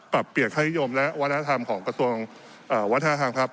ปรับเปลี่ยนค่านิยมและวัฒนธรรมของกระทรวงวัฒนธรรมครับ